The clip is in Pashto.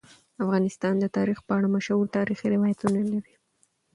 افغانستان د تاریخ په اړه مشهور تاریخی روایتونه لري.